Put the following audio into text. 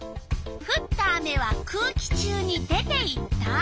「ふった雨は空気中に出ていった」。